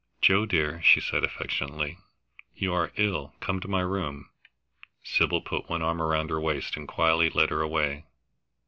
"Joe, dear," she said affectionately, "you are ill come to my room." Sybil put one arm round her waist and quietly led her away.